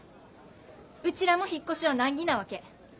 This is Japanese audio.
うちらも引っ越しは難儀なわけ。